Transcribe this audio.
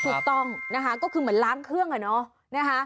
ถูกต้องก็คือเหมือนล้างเครื่องอย่างน้อย